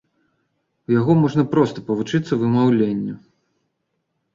У яго можна проста павучыцца вымаўленню!